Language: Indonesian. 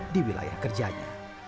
di wilayah kerjanya